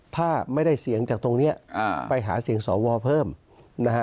ถ้าไม่ได้เสียงจากตรงนี้ไปหาเสียงสวเพิ่มนะฮะ